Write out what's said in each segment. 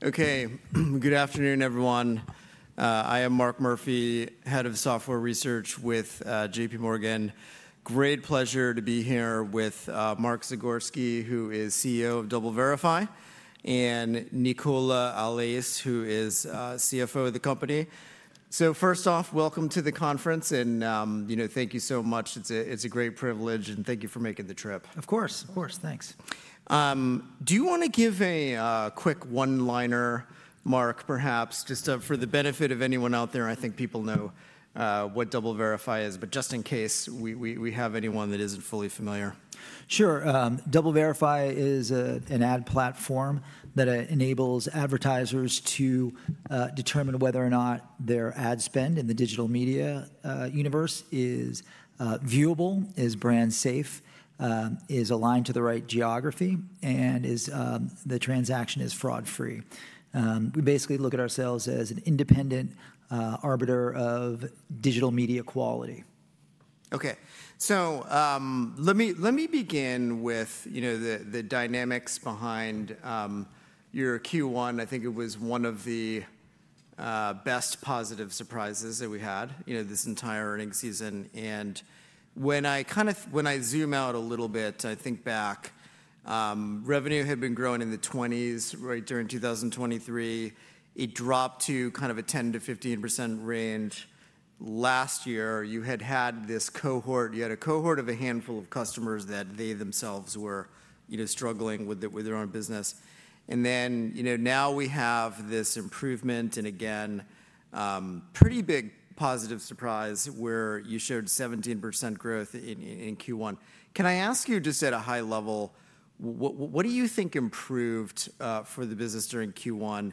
Okay, good afternoon, everyone. I am Mark Murphy, Head of Software Research with JPMorgan. Great pleasure to be here with Mark Zagorski, who is CEO of DoubleVerify, and Nicola Allais, who is CFO of the company. First off, welcome to the conference, and thank you so much. It is a great privilege, and thank you for making the trip. Of course, of course. Thanks. Do you want to give a quick one-liner, Mark, perhaps, just for the benefit of anyone out there? I think people know what DoubleVerify is, but just in case we have anyone that isn't fully familiar. Sure. DoubleVerify is an ad platform that enables advertisers to determine whether or not their ad spend in the digital media universe is viewable, is brand safe, is aligned to the right geography, and the transaction is fraud-free. We basically look at ourselves as an independent arbiter of digital media quality. Okay, so let me begin with the dynamics behind your Q1. I think it was one of the best positive surprises that we had this entire earnings season. When I kind of zoom out a little bit, I think back, revenue had been growing in the 20s, right, during 2023. It dropped to kind of a 10%-15% range. Last year, you had had this cohort. You had a cohort of a handful of customers that they themselves were struggling with their own business. Now we have this improvement, and again, pretty big positive surprise, where you showed 17% growth in Q1. Can I ask you, just at a high level, what do you think improved for the business during Q1?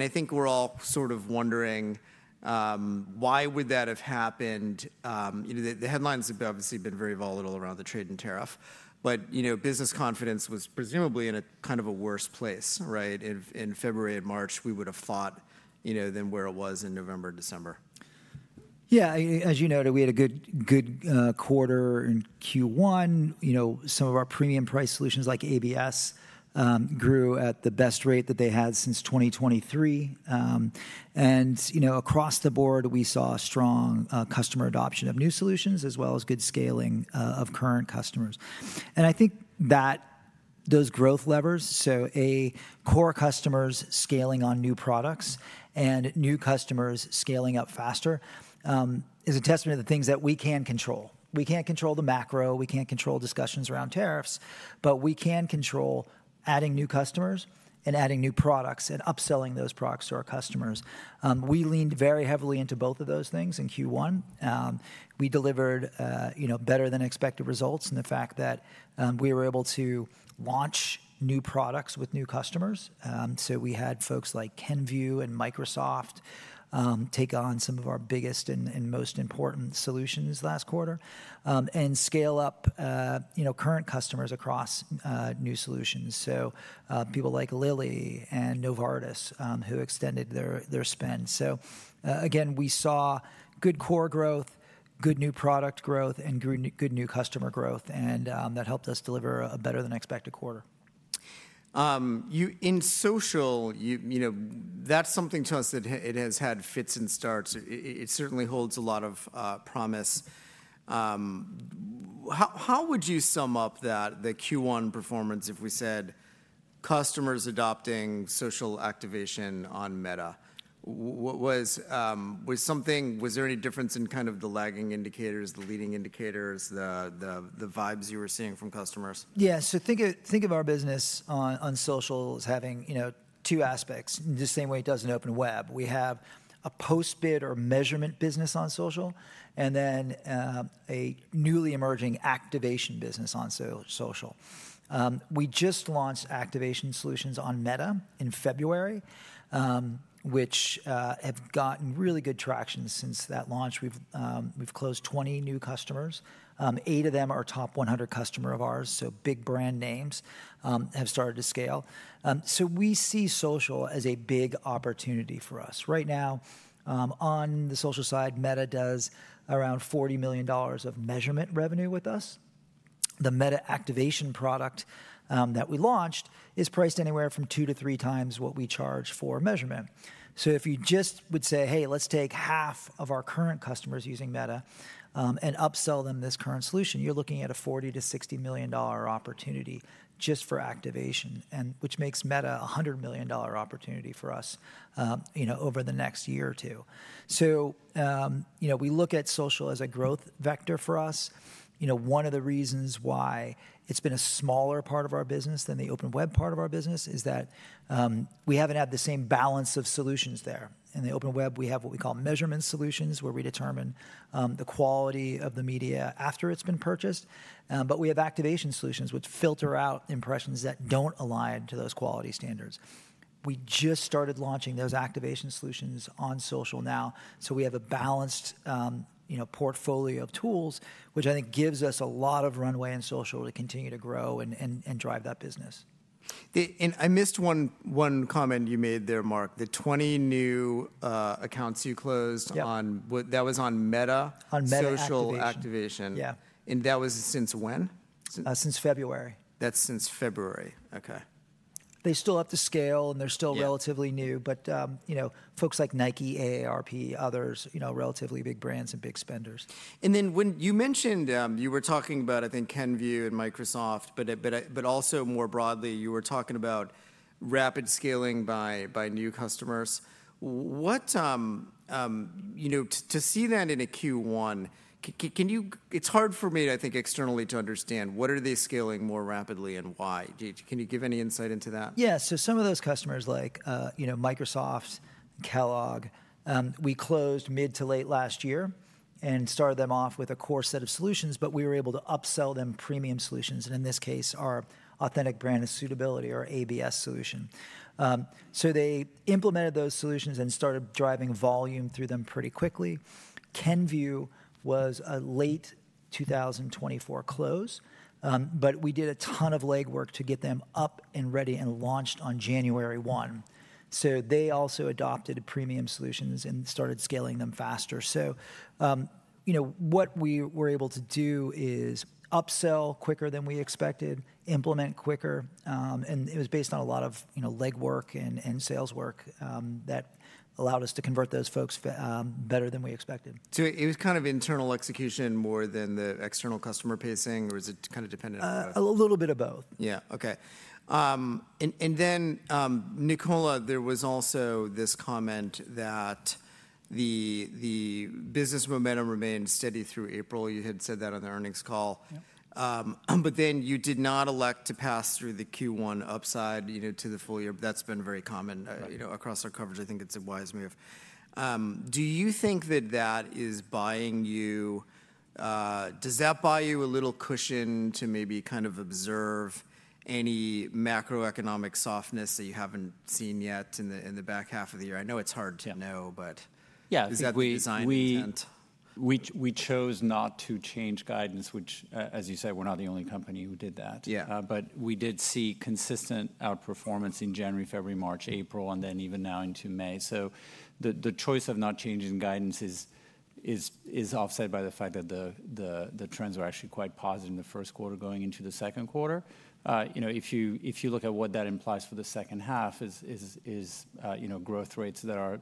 I think we are all sort of wondering, why would that have happened? The headlines have obviously been very volatile around the trade and tariff, but business confidence was presumably in a kind of worse place, right? In February and March, we would have thought than where it was in November and December. Yeah, as you noted, we had a good quarter in Q1. Some of our premium price solutions, like ABS, grew at the best rate that they had since 2023. Across the board, we saw strong customer adoption of new solutions, as well as good scaling of current customers. I think that those growth levers, so core customers scaling on new products and new customers scaling up faster, is a testament to the things that we can control. We cannot control the macro. We cannot control discussions around tariffs, but we can control adding new customers and adding new products and upselling those products to our customers. We leaned very heavily into both of those things in Q1. We delivered better-than-expected results in the fact that we were able to launch new products with new customers. We had folks like Kenvue and Microsoft take on some of our biggest and most important solutions last quarter and scale up current customers across new solutions. People like Lilly and Novartis, who extended their spend. Again, we saw good core growth, good new product growth, and good new customer growth, and that helped us deliver a better-than-expected quarter. In social, that's something to us that it has had fits and starts. It certainly holds a lot of promise. How would you sum up that, the Q1 performance, if we said, customers adopting social activation on Meta? Was there any difference in kind of the lagging indicators, the leading indicators, the vibes you were seeing from customers? Yeah, so think of our business on social as having two aspects, the same way it does an open web. We have a post-bid or measurement business on social, and then a newly emerging activation business on social. We just launched activation solutions on Meta in February, which have gotten really good traction since that launch. We've closed 20 new customers. Eight of them are top 100 customers of ours, so big brand names have started to scale. We see social as a big opportunity for us. Right now, on the social side, Meta does around $40 million of measurement revenue with us. The Meta activation product that we launched is priced anywhere from two to three times what we charge for measurement. If you just would say, hey, let's take half of our current customers using Meta and upsell them this current solution, you're looking at a $40 million-$60 million opportunity just for activation, which makes Meta a $100 million opportunity for us over the next year or two. We look at social as a growth vector for us. One of the reasons why it's been a smaller part of our business than the open web part of our business is that we haven't had the same balance of solutions there. In the open web, we have what we call measurement solutions, where we determine the quality of the media after it's been purchased. We have activation solutions, which filter out impressions that don't align to those quality standards. We just started launching those activation solutions on social now, so we have a balanced portfolio of tools, which I think gives us a lot of runway in social to continue to grow and drive that business. I missed one comment you made there, Mark, the 20 new accounts you closed. That was on Meta. On Meta activation. Social activation. That was since when? Since February. That's since February. Okay. They still have to scale, and they're still relatively new, but folks like Nike, AARP, others, relatively big brands and big spenders. When you mentioned you were talking about, I think, Kenvue and Microsoft, but also more broadly, you were talking about rapid scaling by new customers. To see that in a Q1, it is hard for me, I think, externally to understand. What are they scaling more rapidly and why? Can you give any insight into that? Yeah, so some of those customers, like Microsoft and Kellogg, we closed mid to late last year and started them off with a core set of solutions, but we were able to upsell them premium solutions, and in this case, our Authentic Brand Suitability, our ABS solution. They implemented those solutions and started driving volume through them pretty quickly. Kenvue was a late 2024 close, but we did a ton of legwork to get them up and ready and launched on January 1. They also adopted premium solutions and started scaling them faster. What we were able to do is upsell quicker than we expected, implement quicker, and it was based on a lot of legwork and sales work that allowed us to convert those folks better than we expected. Was it kind of internal execution more than the external customer pacing, or was it kind of dependent on that? A little bit of both. Yeah, okay. Nicola, there was also this comment that the business momentum remained steady through April. You had said that on the earnings call. You did not elect to pass through the Q1 upside to the full year. That has been very common across our coverage. I think it is a wise move. Do you think that that is buying you? Does that buy you a little cushion to maybe kind of observe any macroeconomic softness that you have not seen yet in the back half of the year? I know it is hard to know, but is that the design intent? We chose not to change guidance, which, as you say, we're not the only company who did that. We did see consistent outperformance in January, February, March, April, and then even now into May. The choice of not changing guidance is offset by the fact that the trends were actually quite positive in the first quarter going into the second quarter. If you look at what that implies for the second half, it's growth rates that are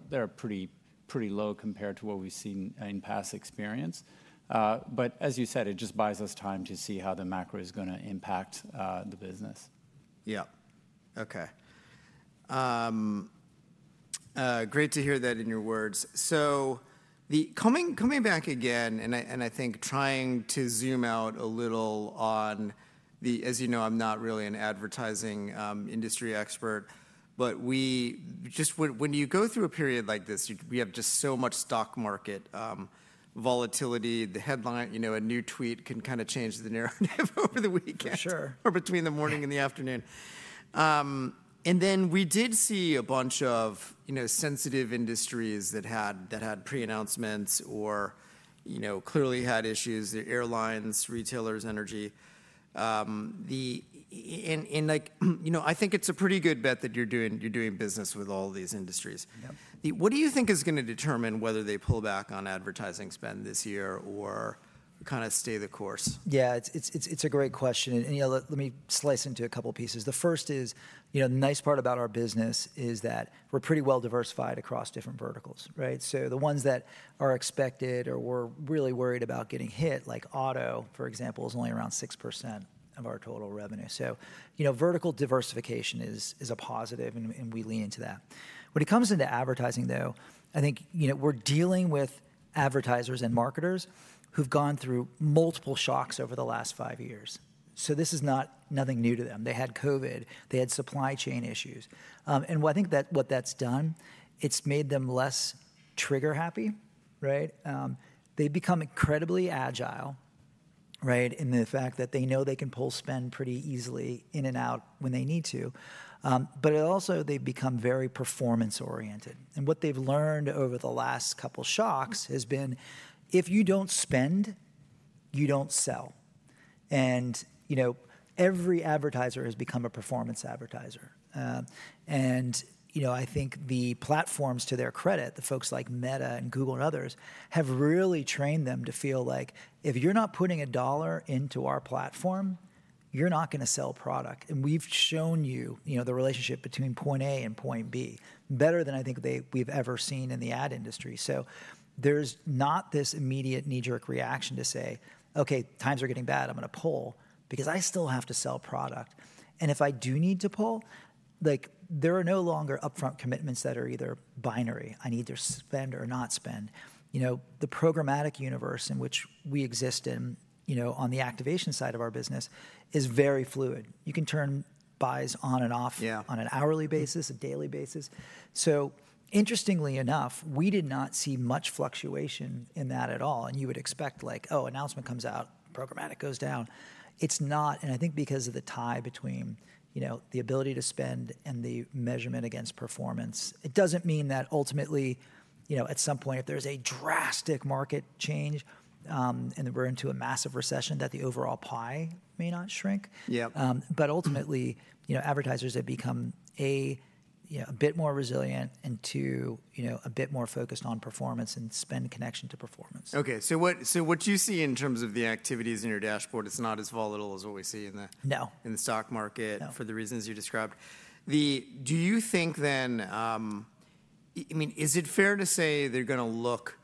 pretty low compared to what we've seen in past experience. As you said, it just buys us time to see how the macro is going to impact the business. Yeah, okay. Great to hear that in your words. Coming back again, and I think trying to zoom out a little on the, as you know, I'm not really an advertising industry expert, but when you go through a period like this, we have just so much stock market volatility. A new tweet can kind of change the narrative over the weekend or between the morning and the afternoon. We did see a bunch of sensitive industries that had pre-announcements or clearly had issues, the airlines, retailers, energy. I think it's a pretty good bet that you're doing business with all these industries. What do you think is going to determine whether they pull back on advertising spend this year or kind of stay the course? Yeah, it's a great question. Let me slice into a couple of pieces. The first is the nice part about our business is that we're pretty well diversified across different verticals, right? The ones that are expected or we're really worried about getting hit, like auto, for example, is only around 6% of our total revenue. Vertical diversification is a positive, and we lean into that. When it comes into advertising, though, I think we're dealing with advertisers and marketers who've gone through multiple shocks over the last five years. This is nothing new to them. They had COVID. They had supply chain issues. I think what that's done, it's made them less trigger happy, right? They've become incredibly agile, right, in the fact that they know they can pull spend pretty easily in and out when they need to. They've become very performance-oriented. What they've learned over the last couple of shocks has been, if you don't spend, you don't sell. Every advertiser has become a performance advertiser. I think the platforms, to their credit, the folks like Meta and Google and others, have really trained them to feel like, if you're not putting a dollar into our platform, you're not going to sell product. We've shown you the relationship between point A and point B better than I think we've ever seen in the ad industry. There's not this immediate knee-jerk reaction to say, okay, times are getting bad. I'm going to pull because I still have to sell product. If I do need to pull, there are no longer upfront commitments that are either binary. I need to spend or not spend. The programmatic universe in which we exist on the activation side of our business is very fluid. You can turn buys on and off on an hourly basis, a daily basis. Interestingly enough, we did not see much fluctuation in that at all. You would expect, like, oh, announcement comes out, programmatic goes down. It's not. I think because of the tie between the ability to spend and the measurement against performance, it doesn't mean that ultimately, at some point, if there's a drastic market change and we're into a massive recession, that the overall pie may not shrink. Ultimately, advertisers have become a bit more resilient and, two, a bit more focused on performance and spend connection to performance. Okay, so what you see in terms of the activities in your dashboard, it's not as volatile as what we see in the stock market for the reasons you described. Do you think then, I mean, is it fair to say they're going to look,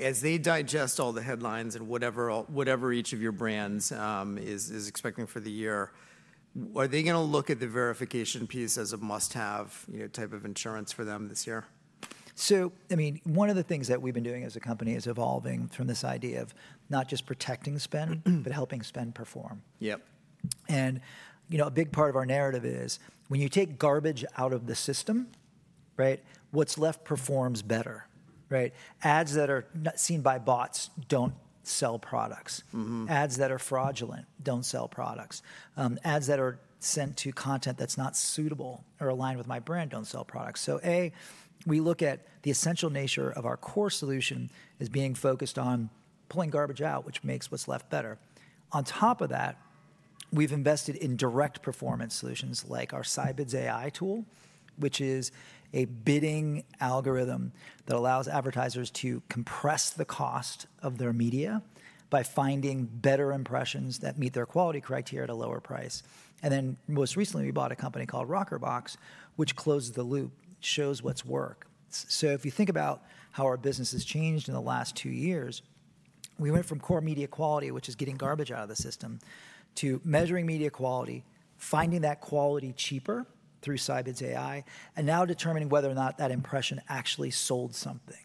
as they digest all the headlines and whatever each of your brands is expecting for the year, are they going to look at the verification piece as a must-have type of insurance for them this year? I mean, one of the things that we've been doing as a company is evolving from this idea of not just protecting spend, but helping spend perform. A big part of our narrative is when you take garbage out of the system, right, what's left performs better, right? Ads that are seen by bots don't sell products. Ads that are fraudulent don't sell products. Ads that are sent to content that's not suitable or aligned with my brand don't sell products. A, we look at the essential nature of our core solution as being focused on pulling garbage out, which makes what's left better. On top of that, we've invested in direct performance solutions like our Sybids AI tool, which is a bidding algorithm that allows advertisers to compress the cost of their media by finding better impressions that meet their quality criteria at a lower price. Most recently, we bought a company called RockerBox, which closed the loop, shows what is working. If you think about how our business has changed in the last two years, we went from core media quality, which is getting garbage out of the system, to measuring media quality, finding that quality cheaper through Sybids AI, and now determining whether or not that impression actually sold something.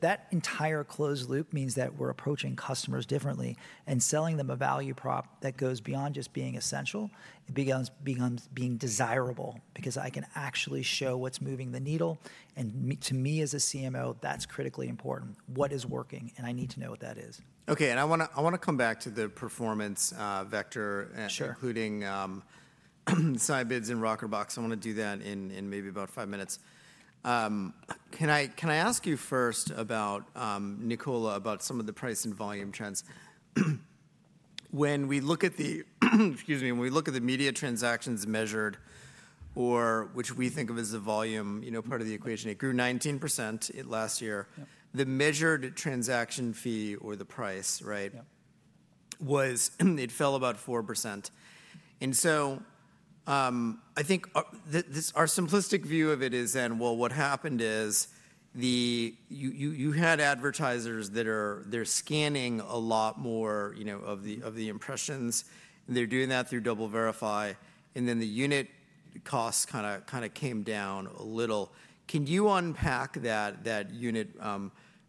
That entire closed loop means that we are approaching customers differently and selling them a value prop that goes beyond just being essential. It becomes being desirable because I can actually show what is moving the needle. To me as a CMO, that is critically important, what is working, and I need to know what that is. Okay, and I want to come back to the performance vector, including Sybids and Rockerbox. I want to do that in maybe about five minutes. Can I ask you first, Nicola, about some of the price and volume trends? When we look at the, excuse me, when we look at the media transactions measured, which we think of as the volume part of the equation, it grew 19% last year. The measured transaction fee or the price, right, it fell about 4%. And so I think our simplistic view of it is then, what happened is you had advertisers that are scanning a lot more of the impressions. They're doing that through DoubleVerify, and then the unit costs kind of came down a little. Can you unpack that unit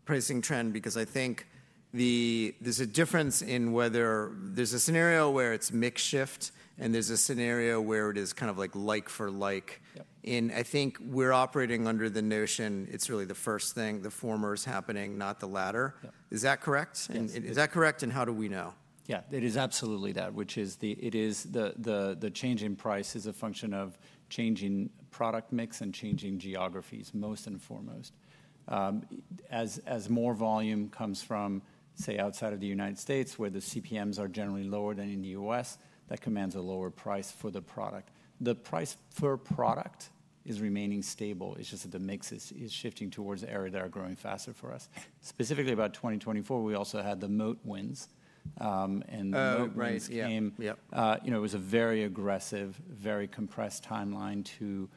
pricing trend? Because I think there's a difference in whether there's a scenario where it's makeshift and there's a scenario where it is kind of like like for like. I think we're operating under the notion it's really the first thing, the former is happening, not the latter. Is that correct? Is that correct, and how do we know? Yeah, it is absolutely that, which is the change in price is a function of changing product mix and changing geographies most and foremost. As more volume comes from, say, outside of the U.S., where the CPMs are generally lower than in the U.S., that commands a lower price for the product. The price per product is remaining stable. It's just that the mix is shifting towards the areas that are growing faster for us. Specifically about 2024, we also had the Moat wins. And Moat wins, it was a very aggressive, very compressed timeline to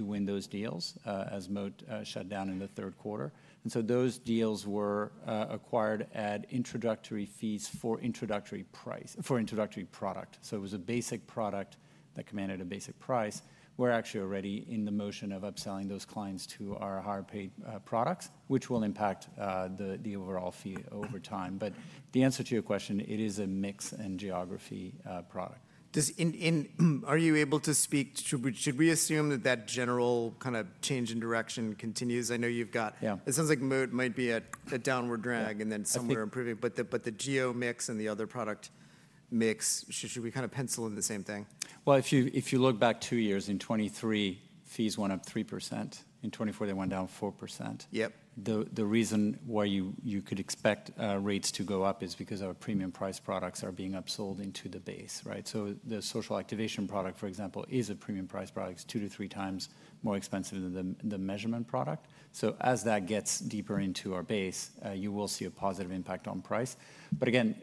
win those deals as Moat shut down in the third quarter. And so those deals were acquired at introductory fees for introductory product. So it was a basic product that commanded a basic price. We're actually already in the motion of upselling those clients to our higher paid products, which will impact the overall fee over time. The answer to your question, it is a mix and geography product. Are you able to speak? Should we assume that that general kind of change in direction continues? I know you've got, it sounds like Moat might be at a downward drag and then somewhere improving. But the geo mix and the other product mix, should we kind of pencil in the same thing? If you look back two years, in 2023, fees went up 3%. In 2024, they went down 4%. The reason why you could expect rates to go up is because our premium price products are being upsold into the base, right? The social activation product, for example, is a premium price product. It is two to three times more expensive than the measurement product. As that gets deeper into our base, you will see a positive impact on price. Again,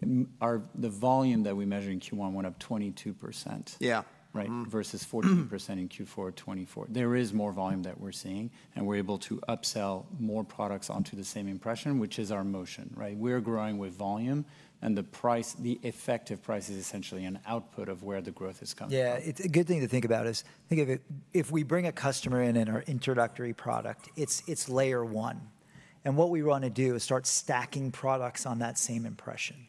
the volume that we measure in Q1 went up 22%, right, versus 14% in Q4 of 2024. There is more volume that we are seeing, and we are able to upsell more products onto the same impression, which is our motion, right? We are growing with volume, and the effective price is essentially an output of where the growth is coming from. Yeah, it's a good thing to think about is think of it, if we bring a customer in in our introductory product, it's layer one. What we want to do is start stacking products on that same impression, right?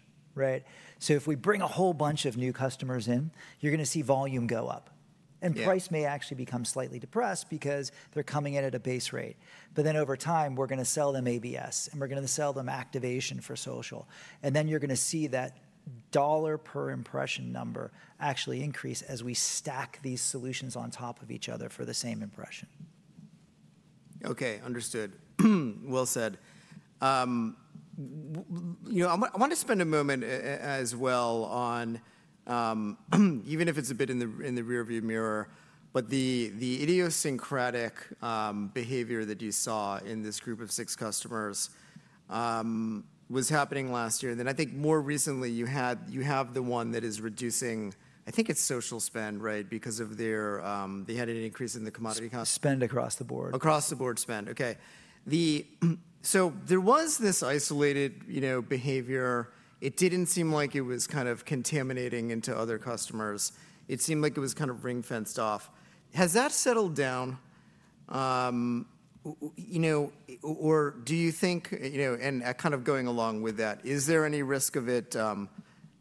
If we bring a whole bunch of new customers in, you're going to see volume go up. Price may actually become slightly depressed because they're coming in at a base rate. Over time, we're going to sell them ABS, and we're going to sell them activation for social. You're going to see that dollar per impression number actually increase as we stack these solutions on top of each other for the same impression. Okay, understood. Well said. I want to spend a moment as well on, even if it's a bit in the rearview mirror, but the idiosyncratic behavior that you saw in this group of six customers was happening last year. I think more recently, you have the one that is reducing, I think it's social spend, right, because they had an increase in the commodity. Spend across the board. Across the board spend, okay. There was this isolated behavior. It did not seem like it was contaminating into other customers. It seemed like it was ring-fenced off. Has that settled down? Or do you think, and going along with that, is there any risk of it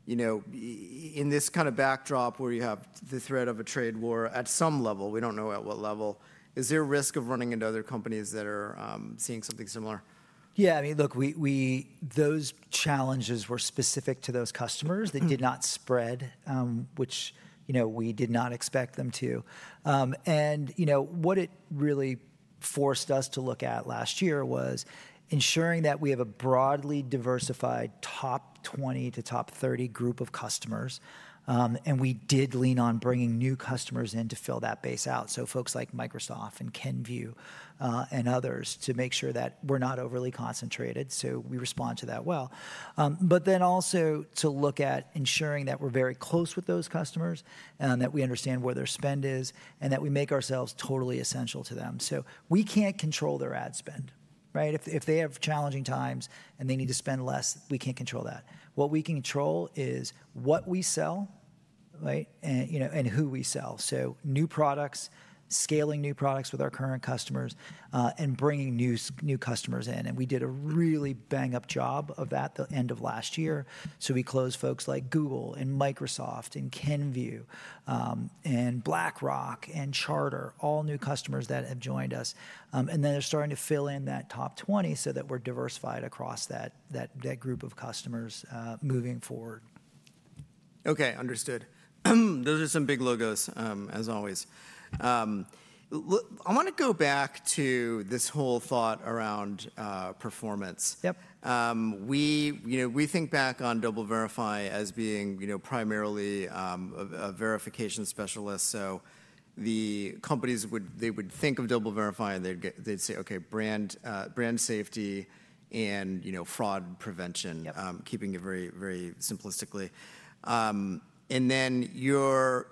in this backdrop where you have the threat of a trade war at some level? We do not know at what level. Is there risk of running into other companies that are seeing something similar? Yeah, I mean, look, those challenges were specific to those customers. They did not spread, which we did not expect them to. What it really forced us to look at last year was ensuring that we have a broadly diversified top 20 to top 30 group of customers. We did lean on bringing new customers in to fill that base out. Folks like Microsoft and Kenvue and others to make sure that we're not overly concentrated. We respond to that well. Also, to look at ensuring that we're very close with those customers and that we understand where their spend is and that we make ourselves totally essential to them. We can't control their ad spend, right? If they have challenging times and they need to spend less, we can't control that. What we can control is what we sell, right, and who we sell. New products, scaling new products with our current customers and bringing new customers in. We did a really bang-up job of that the end of last year. We closed folks like Google and Microsoft and Kenvue and BlackRock and Charter, all new customers that have joined us. They are starting to fill in that top 20 so that we are diversified across that group of customers moving forward. Okay, understood. Those are some big logos, as always. I want to go back to this whole thought around performance. We think back on DoubleVerify as being primarily a verification specialist. So the companies, they would think of DoubleVerify and they'd say, okay, brand safety and fraud prevention, keeping it very simplistically. And then you're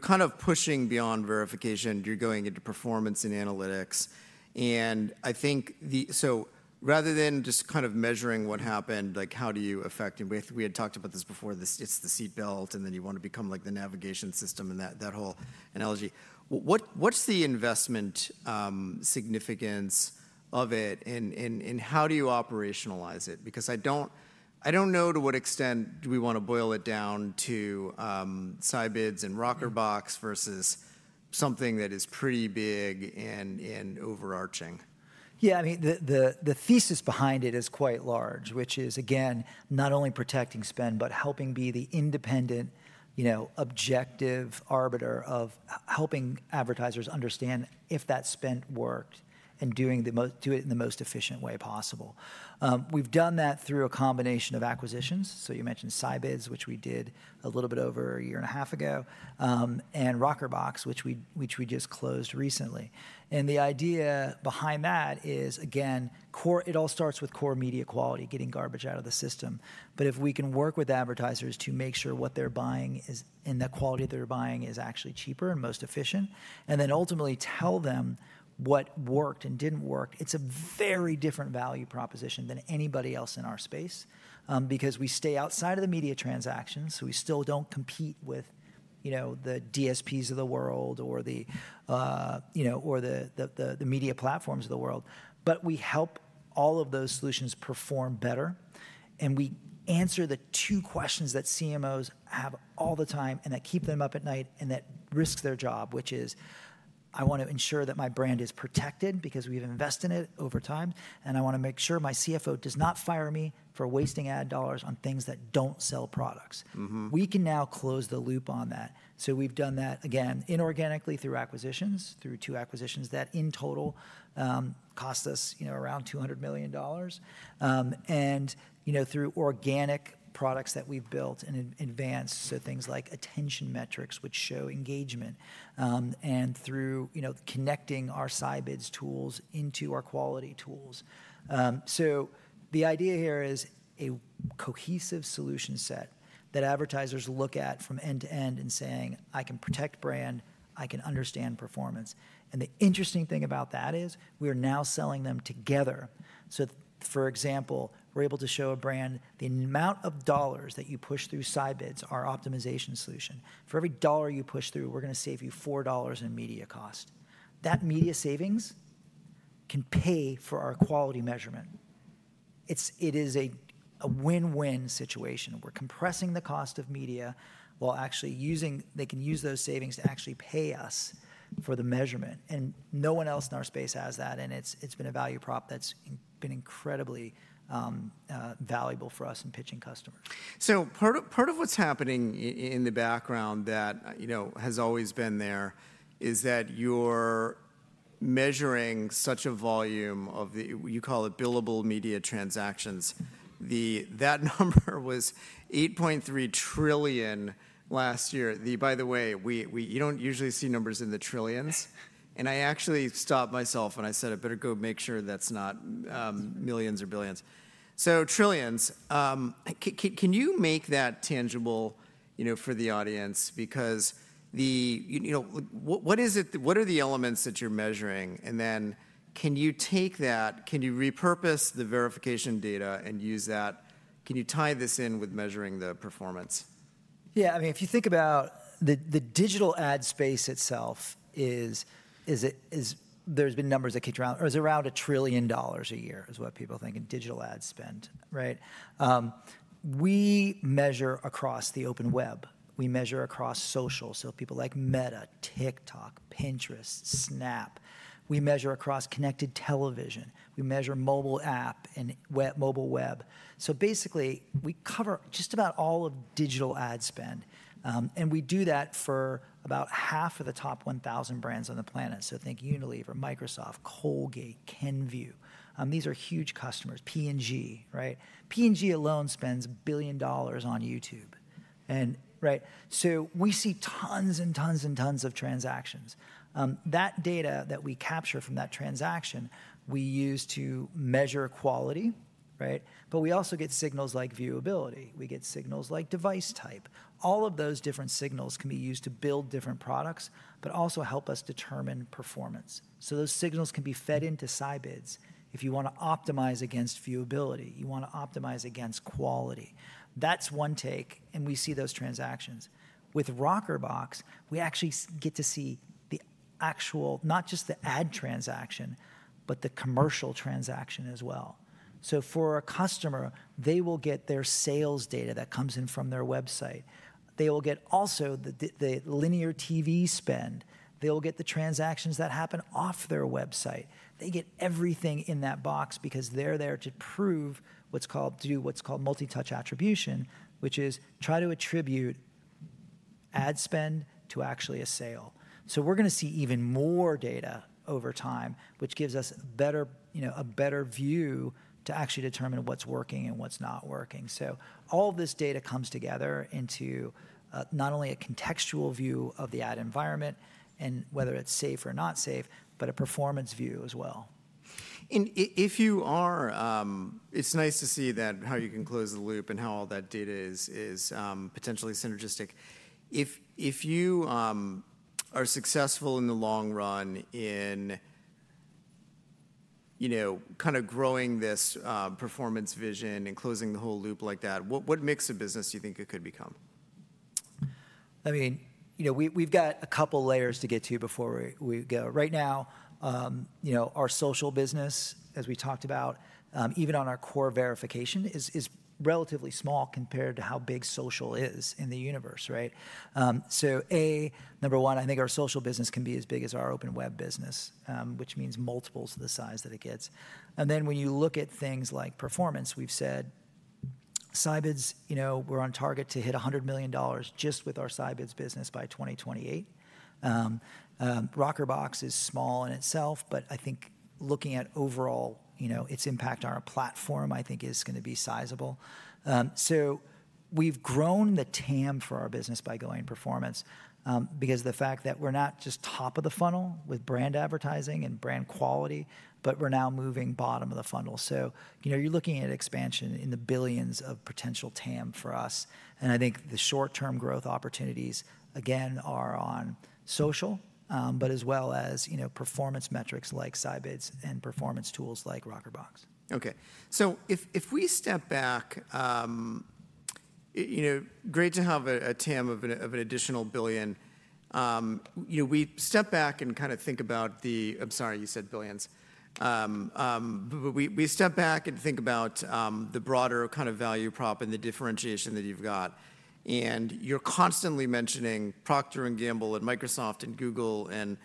kind of pushing beyond verification. You're going into performance and analytics. And I think so rather than just kind of measuring what happened, like how do you affect, and we had talked about this before, it's the seatbelt and then you want to become like the navigation system and that whole analogy. What's the investment significance of it and how do you operationalize it? Because I don't know to what extent do we want to boil it down to Sybids and Rockerbox versus something that is pretty big and overarching. Yeah, I mean, the thesis behind it is quite large, which is, again, not only protecting spend, but helping be the independent, objective arbiter of helping advertisers understand if that spend worked and do it in the most efficient way possible. We've done that through a combination of acquisitions. You mentioned Sybids, which we did a little bit over a year and a half ago, and Rockerbox, which we just closed recently. The idea behind that is, again, it all starts with core media quality, getting garbage out of the system. If we can work with advertisers to make sure what they're buying and the quality they're buying is actually cheaper and most efficient, and then ultimately tell them what worked and did not work, it's a very different value proposition than anybody else in our space because we stay outside of the media transactions. We still do not compete with the DSPs of the world or the media platforms of the world. We help all of those solutions perform better. We answer the two questions that CMOs have all the time and that keep them up at night and that risk their job, which is, I want to ensure that my brand is protected because we have invested in it over time. I want to make sure my CFO does not fire me for wasting ad dollars on things that do not sell products. We can now close the loop on that. We have done that, again, inorganically through acquisitions, through two acquisitions that in total cost us around $200 million. Through organic products that we have built and advanced, things like attention metrics, which show engagement, and through connecting our Sybids tools into our quality tools. The idea here is a cohesive solution set that advertisers look at from end to end and saying, I can protect brand, I can understand performance. The interesting thing about that is we are now selling them together. For example, we're able to show a brand the amount of dollars that you push through Sybids, our optimization solution. For every dollar you push through, we're going to save you $4 in media cost. That media savings can pay for our quality measurement. It is a win-win situation. We're compressing the cost of media while actually using, they can use those savings to actually pay us for the measurement. No one else in our space has that. It has been a value prop that's been incredibly valuable for us in pitching customers. Part of what's happening in the background that has always been there is that you're measuring such a volume of, you call it billable media transactions. That number was 8.3 trillion last year. By the way, you don't usually see numbers in the trillions. I actually stopped myself and I said, I better go make sure that's not millions or billions. Trillions, can you make that tangible for the audience? Because what are the elements that you're measuring? Can you take that, can you repurpose the verification data and use that? Can you tie this in with measuring the performance? Yeah, I mean, if you think about the digital ad space itself, there's been numbers that came around, it was around a trillion dollars a year is what people think in digital ad spend, right? We measure across the open web. We measure across social. So people like Meta, TikTok, Pinterest, Snap. We measure across connected television. We measure mobile app and mobile web. Basically, we cover just about all of digital ad spend. We do that for about half of the top 1,000 brands on the planet. Think Unilever, Microsoft, Colgate, Kenvue. These are huge customers. P&G, right? P&G alone spends a billion dollars on YouTube. Right? We see tons and tons and tons of transactions. That data that we capture from that transaction, we use to measure quality, right? We also get signals like viewability. We get signals like device type. All of those different signals can be used to build different products, but also help us determine performance. Those signals can be fed into Sybids if you want to optimize against viewability. You want to optimize against quality. That's one take, and we see those transactions. With Rockerbox, we actually get to see the actual, not just the ad transaction, but the commercial transaction as well. For a customer, they will get their sales data that comes in from their website. They will get also the linear TV spend. They'll get the transactions that happen off their website. They get everything in that box because they're there to prove what's called multi-touch attribution, which is try to attribute ad spend to actually a sale. We're going to see even more data over time, which gives us a better view to actually determine what's working and what's not working. All of this data comes together into not only a contextual view of the ad environment and whether it's safe or not safe, but a performance view as well. If you are, it's nice to see how you can close the loop and how all that data is potentially synergistic. If you are successful in the long run in kind of growing this performance vision and closing the whole loop like that, what mix of business do you think it could become? I mean, we've got a couple layers to get to before we go. Right now, our social business, as we talked about, even on our core verification, is relatively small compared to how big social is in the universe, right? A, number one, I think our social business can be as big as our open web business, which means multiples of the size that it gets. When you look at things like performance, we've said Sybids, we're on target to hit $100 million just with our Sybids business by 2028. Rockerbox is small in itself, but I think looking at overall its impact on our platform, I think is going to be sizable. We've grown the TAM for our business by going performance because of the fact that we're not just top of the funnel with brand advertising and brand quality, but we're now moving bottom of the funnel. You're looking at expansion in the billions of potential TAM for us. I think the short-term growth opportunities, again, are on social, but as well as performance metrics like Sybids and performance tools like Rockerbox. Okay. If we step back, great to have a TAM of an additional billion. We step back and kind of think about the, I'm sorry, you said billions. We step back and think about the broader kind of value prop and the differentiation that you've got. You're constantly mentioning Procter & Gamble and Microsoft and Google and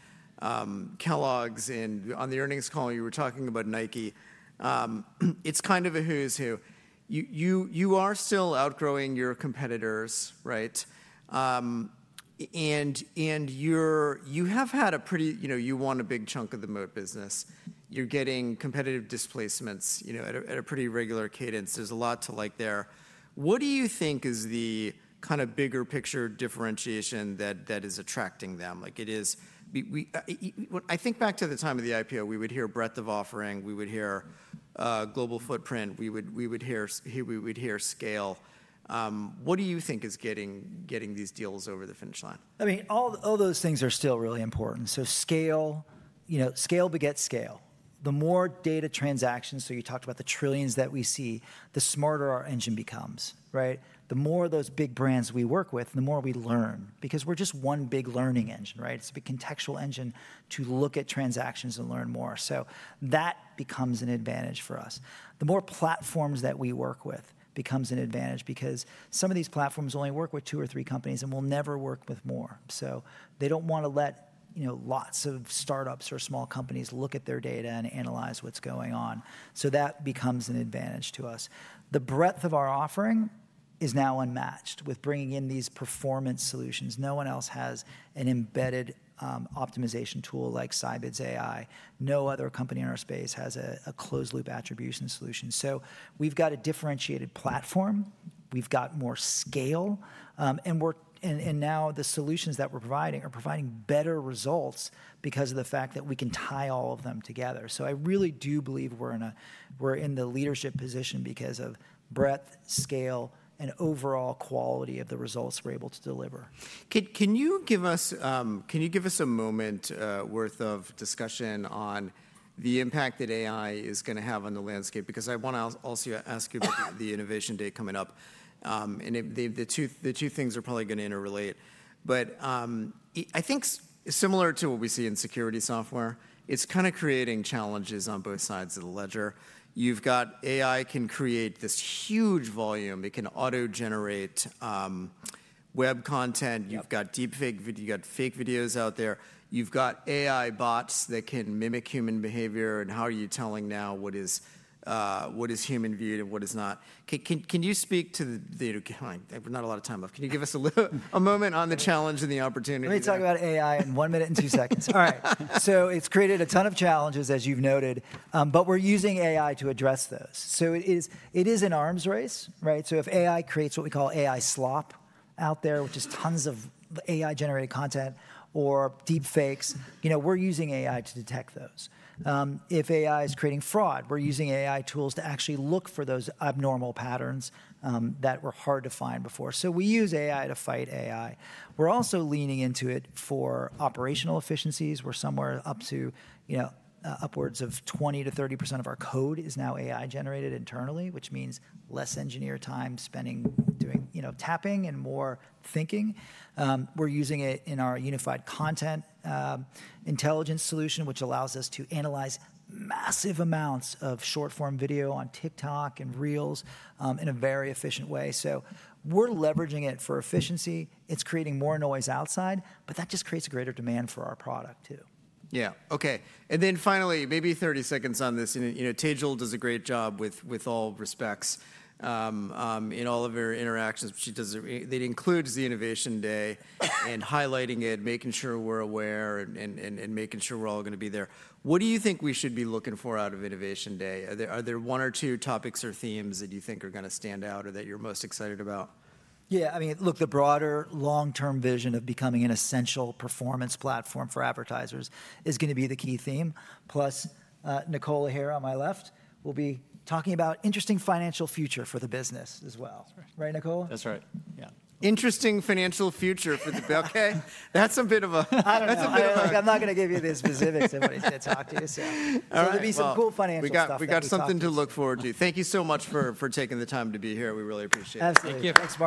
Kellogg's. On the earnings call, you were talking about Nike. It's kind of a who's who. You are still outgrowing your competitors, right? You have had a pretty, you won a big chunk of the Moat business. You're getting competitive displacements at a pretty regular cadence. There's a lot to like there. What do you think is the kind of bigger picture differentiation that is attracting them? I think back to the time of the IPO, we would hear breadth of offering. We would hear global footprint. We would hear scale. What do you think is getting these deals over the finish line? I mean, all those things are still really important. Scale, scale begets scale. The more data transactions, so you talked about the trillions that we see, the smarter our engine becomes, right? The more of those big brands we work with, the more we learn because we're just one big learning engine, right? It's a big contextual engine to look at transactions and learn more. That becomes an advantage for us. The more platforms that we work with becomes an advantage because some of these platforms only work with two or three companies and will never work with more. They do not want to let lots of startups or small companies look at their data and analyze what's going on. That becomes an advantage to us. The breadth of our offering is now unmatched with bringing in these performance solutions. No one else has an embedded optimization tool like Sybids AI. No other company in our space has a closed-loop attribution solution. We have a differentiated platform. We have more scale. The solutions that we are providing are providing better results because of the fact that we can tie all of them together. I really do believe we are in the leadership position because of breadth, scale, and overall quality of the results we are able to deliver. Can you give us a moment's worth of discussion on the impact that AI is going to have on the landscape? Because I want to also ask you about the innovation day coming up. The two things are probably going to interrelate. I think similar to what we see in security software, it's kind of creating challenges on both sides of the ledger. You've got AI can create this huge volume. It can auto-generate web content. You've got deepfake videos out there. You've got AI bots that can mimic human behavior. How are you telling now what is human-viewed and what is not? Can you speak to the, we're not a lot of time left. Can you give us a moment on the challenge and the opportunity? Let me talk about AI in one minute and two seconds. All right. It has created a ton of challenges, as you have noted. We are using AI to address those. It is an arms race, right? If AI creates what we call AI slop out there, which is tons of AI-generated content or deepfakes, we are using AI to detect those. If AI is creating fraud, we are using AI tools to actually look for those abnormal patterns that were hard to find before. We use AI to fight AI. We are also leaning into it for operational efficiencies. We are somewhere up to upwards of 20%-30% of our code is now AI-generated internally, which means less engineer time spending doing tapping and more thinking. We're using it in our Unified Content Intelligence solution, which allows us to analyze massive amounts of short-form video on TikTok and Reels in a very efficient way. We are leveraging it for efficiency. It is creating more noise outside, but that just creates a greater demand for our product too. Yeah. Okay. And then finally, maybe 30 seconds on this. Tejal does a great job with all respects in all of her interactions. They include the innovation day and highlighting it, making sure we are aware and making sure we are all going to be there. What do you think we should be looking for out of innovation day? Are there one or two topics or themes that you think are going to stand out or that you are most excited about? Yeah. I mean, look, the broader long-term vision of becoming an essential performance platform for advertisers is going to be the key theme. Plus, Nicola here on my left will be talking about interesting financial future for the business as well. Right, Nicola? That's right. Yeah. Interesting financial future for the business. Okay. That's a bit of a... I don't know. I'm not going to give you the specifics of what he said to talk to you. There'll be some cool financial stuff. We got something to look forward to. Thank you so much for taking the time to be here. We really appreciate it. Absolutely. Thank you. Thanks.